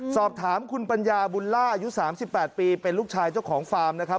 สอบถามคุณปัญญาบุญล่าอายุ๓๘ปีเป็นลูกชายเจ้าของฟาร์มนะครับ